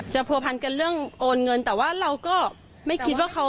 ผัวพันกันเรื่องโอนเงินแต่ว่าเราก็ไม่คิดว่าเขา